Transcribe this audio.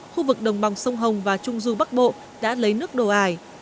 khu vực đồng bằng sông hồng và trung du bắc bộ đã lấy nước đổ ải